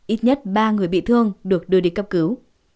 ít nhất ba người bị thương được đưa đi cấp cứu